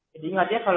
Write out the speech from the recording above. jadi ingat ya